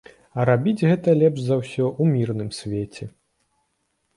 А рабіць гэта лепш за ўсё ў мірным свеце.